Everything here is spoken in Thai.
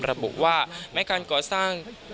ระบุว่าไม่การก่อสร้างบางช่วง